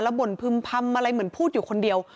บ่นพึ่มพำอะไรเหมือนพูดอยู่คนเดียว